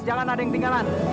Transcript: jangan ada yang ketinggalan